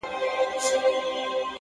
هره هڅه د ځان پرمختګ برخه ده؛